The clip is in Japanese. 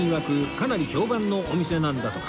かなり評判のお店なんだとか